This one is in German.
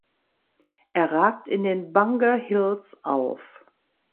Er ragt in den Bunger Hills auf.